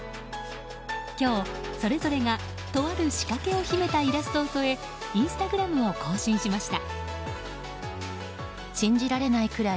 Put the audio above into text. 今日、それぞれがとある仕掛けを秘めたイラストを添えインスタグラムを更新しました。